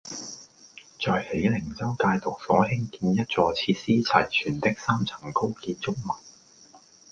在喜靈州戒毒所興建一座設施齊全的三層高建築物